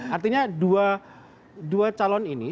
artinya dua calon ini